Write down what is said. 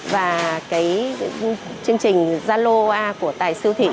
và chương trình zalo của tài sư thị